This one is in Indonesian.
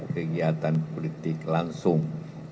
kegiatan politik langsung